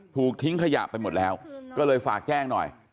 ถูกทิ้งขยะไปหมดแล้วก็เลยฝากแจ้งหน่อย